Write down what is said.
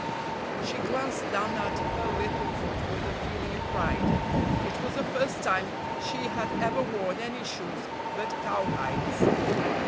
She glanced down at her little foot with a feeling of pride—it was the first time she had ever worn any shoes but "cowhides."